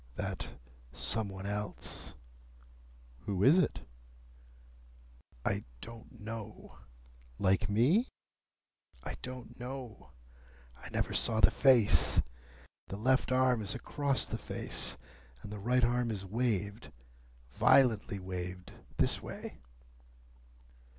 That some one else." "Who is it?" "I don't know." "Like me?" "I don't know. I never saw the face. The left arm is across the face, and the right arm is waved,—violently waved. This way."